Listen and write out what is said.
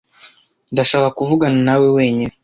Ndashaka kuvugana nawe wenyine.